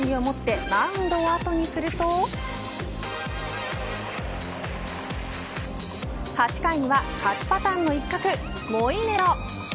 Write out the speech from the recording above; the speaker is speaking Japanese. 勝ち投手の権利を持ってマウンドを後にすると８回には勝ちパターンの一角モイネロ。